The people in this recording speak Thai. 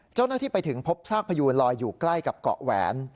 เจ้าหน้าที่ไปถึงพบซากพยูนลอยอยู่ใกล้กับเกาะแหวน